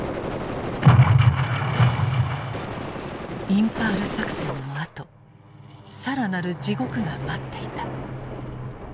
インパール作戦のあと更なる地獄が待っていた。